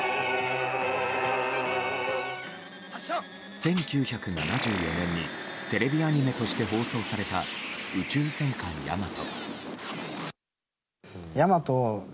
１９７４年にテレビアニメとして放送された「宇宙戦艦ヤマト」。